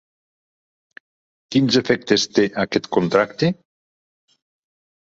Quins efectes té aquest contracte?